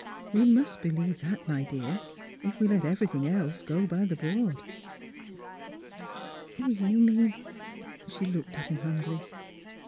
We must believe that, my dear, if we let everything else go by the board." " Do you mean ?" She looked at him humbly.